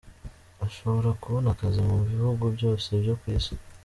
Ashobora kubona akazi mu bihugu byose byo ku Isi.